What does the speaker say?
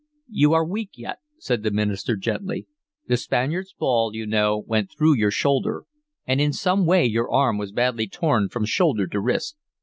"You are weak yet," said the minister gently. "The Spaniard's ball, you know, went through your shoulder, and in some way your arm was badly torn from shoulder to wrist.